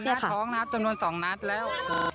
โดนหน้าท้องนะครับจำนวนสองนัดแล้ว